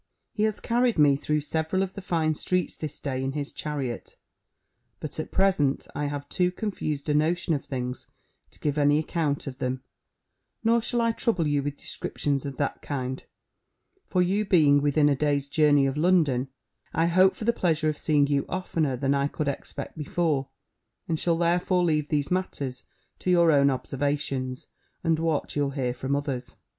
He has carried me through several of the fine streets this day in his chariot; but, at present, I have too confused a notion of things, to give any account of them: nor shall I trouble you with descriptions of that kind; for you being within a day's journey of London, I hope for the pleasure of seeing you oftener than I could expect before; and shall therefore leave these matters to your own observations, and what you'll hear from others.